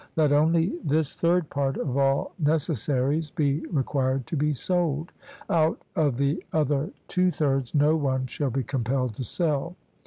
Let only this third part of all necessaries be required to be sold; out of the other two thirds no one shall be compelled to sell.